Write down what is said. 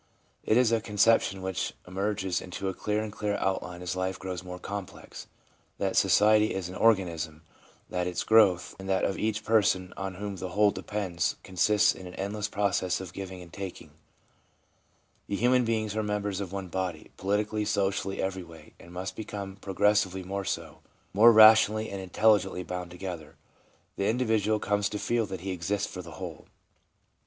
It is a conception which emerges into clearer and clearer outline as life grows more complex, that society is an organism ; that its growth and that of each person on whom the whole depends consists in an endless process of giving and taking ; that human beings are members of one body — politically, socially, every way — and must become pro gressively more so, more rationally and intelligently bound together. The individual comes to feel that he exists for the whole.